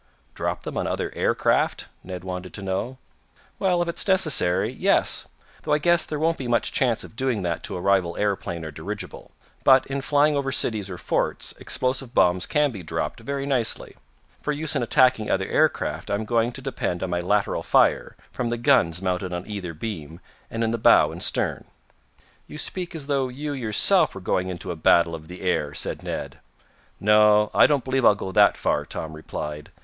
"Drop them on other air craft?" Ned wanted to know. "Well, if it's necessary, yes. Though I guess there won't be much chance of doing that to a rival aeroplane or dirigible. But in flying over cities or forts, explosive bombs can be dropped very nicely. For use in attacking other air craft I am going to depend on my lateral fire, from the guns mounted on either beam, and in the bow and stern." "You speak as though you, yourself, were going into a battle of the air," said Ned. "No, I don't believe I'll go that far," Tom replied.